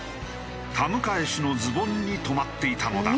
田迎氏のズボンに止まっていたのだ。